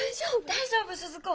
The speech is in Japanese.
大丈夫鈴子？